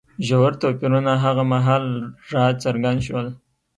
ژور توپیرونه هغه مهال راڅرګند شول